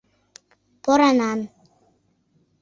Поранан.